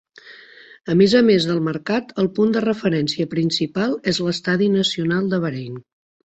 A més a més del mercat, el punt de referència principal és l'estadi nacional de Bahrain.